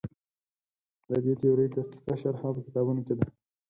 د دې تیورۍ دقیقه شرحه په کتابونو کې ده.